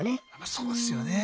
そうですよね。